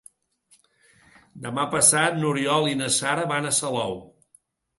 Demà passat n'Oriol i na Sara van a Salou.